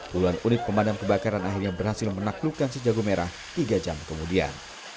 puluhan unit pemadam kebakaran akhirnya berhasil menaklukkan sejago merah tiga jam kemudian